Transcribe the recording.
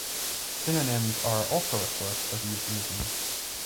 Synonyms are also a source of euphemisms.